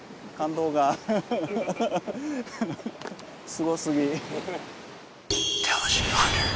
すごすぎ。